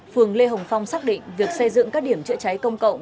phường lê hồng phong xác định việc xây dựng các điểm chữa cháy công cộng